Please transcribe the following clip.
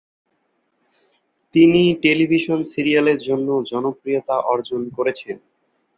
তিনি টেলিভিশন সিরিয়ালের জন্য জনপ্রিয়তা অর্জন করেছেন।